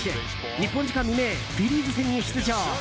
日本時間未明フィリーズ戦に出場。